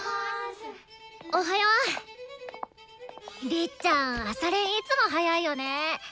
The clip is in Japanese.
りっちゃん朝練いつも早いよね。